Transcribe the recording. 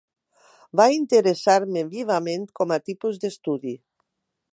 Va interessar-me vivament com a tipus d'estudi